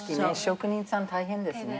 職人さん大変ですね。